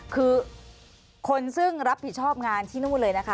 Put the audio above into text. คือคนซึ่งรับผิดชอบงานที่นู่นเลยนะคะ